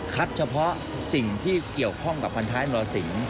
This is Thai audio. เฉพาะสิ่งที่เกี่ยวข้องกับพันท้ายนรสิง